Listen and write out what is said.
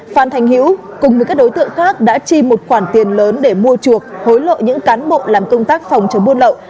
phan thành hữu cùng với các đối tượng khác đã chi một khoản tiền lớn để mua chuộc hối lộ những cán bộ làm công tác phòng chống buôn lậu